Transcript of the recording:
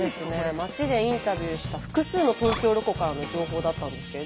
町でインタビューした複数の東京ロコからの情報だったんですけれど。